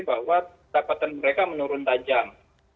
bahwa dapatan mereka menurun tajam